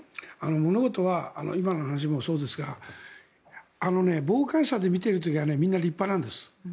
物事は今の話もそうですが傍観者で見ている時はみんな立派なんです。